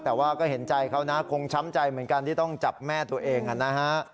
แต่ว่าก็เห็นใจเขานะคงช้ำใจเหมือนกันที่ต้องจับแม่ตัวเองนะฮะ